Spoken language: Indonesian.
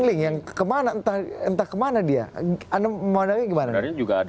map yang bermasalah